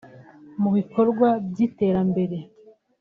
Mu bikorwa vy’iterambere